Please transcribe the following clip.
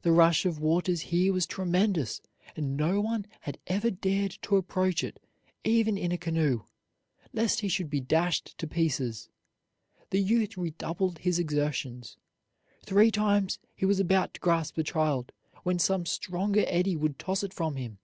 The rush of waters here was tremendous, and no one had ever dared to approach it, even in a canoe, lest he should be dashed to pieces. The youth redoubled his exertions. Three times he was about to grasp the child, when some stronger eddy would toss it from him.